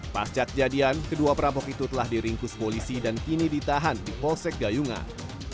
pasca kejadian kedua perampok itu telah diringkus polisi dan kini ditahan di polsek gayungan